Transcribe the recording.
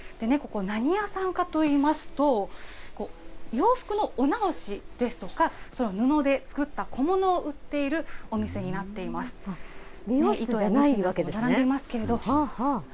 ここ、何屋さんかといいますと、洋服のお直しですとか、その布で作った小物を売っているお店にな美容室じゃないんですね。